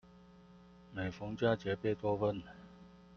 每逢佳節貝多芬